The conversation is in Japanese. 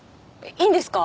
いいんですか？